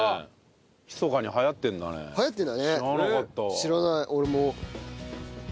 知らない俺も。